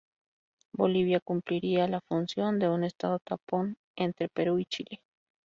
Bolivia cumpliría la función de un Estado tapón entre Perú y Chile.